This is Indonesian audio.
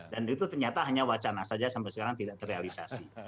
dan itu ternyata hanya wacana saja sampai sekarang tidak terrealisasi